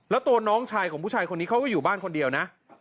แล้วตัวน้องชายของผู้ชายคนนี้เขาก็อยู่บ้านคนเดียวนะ